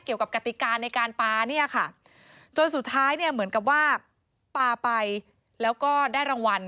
กติกาในการปลาเนี่ยค่ะจนสุดท้ายเนี่ยเหมือนกับว่าปลาไปแล้วก็ได้รางวัล